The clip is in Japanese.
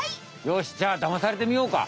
よしじゃあだまされてみようか。